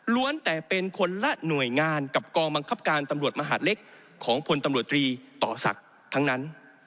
ล้วนแต่เป็นคนละหน่วยงานกับกองบังคับการตำรวจมหาดเล็กของพตศทั้งนั้น